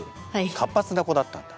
活発な子だったんだ。